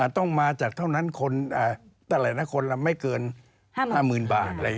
ต้องมาจากเท่านั้นคนแต่ละคนไม่เกิน๕หมื่นบาท